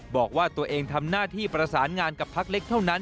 บอกว่าตัวเองทำหน้าที่ประสานงานกับพักเล็กเท่านั้น